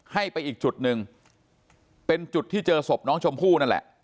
ให้ไปอีกจุดหนึ่งเป็นจุดที่เจอศพน้องชมพู่นั่นแหละ